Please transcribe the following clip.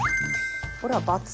これは×。